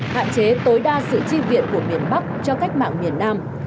hạn chế tối đa sự chi viện của miền bắc cho cách mạng miền nam